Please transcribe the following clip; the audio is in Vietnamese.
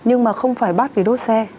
nhưng mà không phải bắt vì đốt xe